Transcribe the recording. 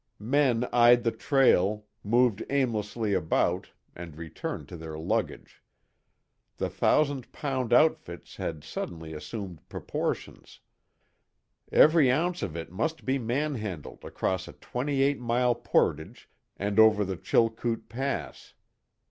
Men eyed the trail, moved aimlessly about, and returned to their luggage. The thousand pound outfits had suddenly assumed proportions. Every ounce of it must be man handled across a twenty eight mile portage and over the Chilkoot Pass.